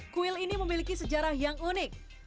kuil ini memiliki sejarah yang unik